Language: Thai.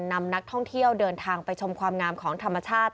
นำนักท่องเที่ยวเดินทางไปชมความงามของธรรมชาติ